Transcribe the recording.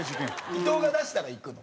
伊藤が出したらいくの？